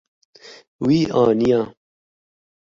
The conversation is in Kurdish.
Wî aniye.